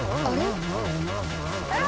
あれ？